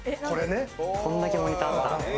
こんだけモニターがあったら。